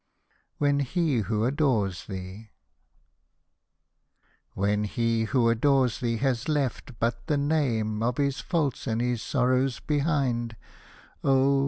WHEN HE WHO ADORES THEE When he who adores thee has left but the name Of his faults and his sorrows behind, Oh